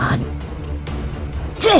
rasanya pahit sekali